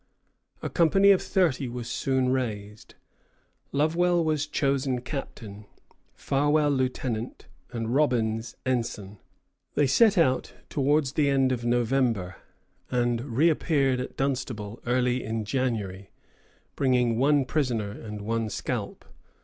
A company of thirty was soon raised. Lovewell was chosen captain, Farwell, lieutenant, and Robbins, ensign. They set out towards the end of November, and reappeared at Dunstable early in January, bringing one prisoner and one scalp.